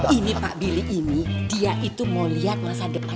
ini pak billy ini dia itu mau lihat masa depan